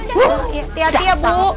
tuh udah marah marah